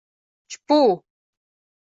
«Чпу!..